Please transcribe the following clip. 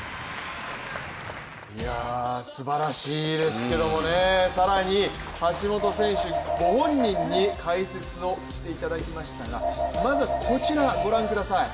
すばらしいですけれども、更に、橋本選手ご本人に解説をしていただきましたがまずはこちら、ご覧ください。